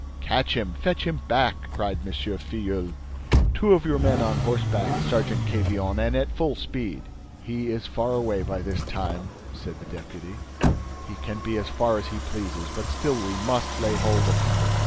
"Catch him! Fetch him back!" cried M. Filleul. "Two of your men on horseback, Sergeant Quevillon, and at full speed!" "He is far away by this time," said the deputy. "He can be as far as he pleases, but still we must lay hold of him."